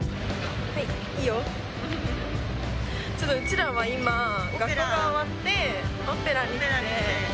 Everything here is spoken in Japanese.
ちょっとうちらは今、学校が終わって、オペラに来て。